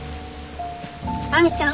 亜美ちゃん。